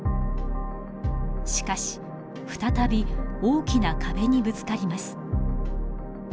しかし再び大きな壁にぶつかります。